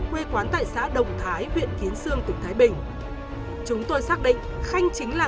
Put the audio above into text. hai nghìn năm quê quán tại xã đồng thái viện kiến sương tỉnh thái bình chúng tôi xác định khanh chính là